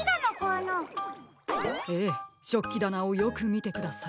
ええしょっきだなをよくみてください。